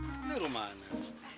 ini rumah anak